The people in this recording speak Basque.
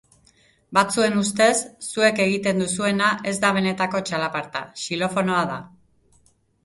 Batzuen ustez, zuek egiten duzuena ez da benetako txalaparta, xilofonoa da.